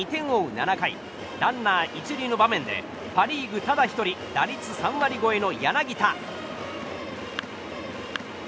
７回ランナー１塁の場面でパリーグただ１人打率３割超えの柳田。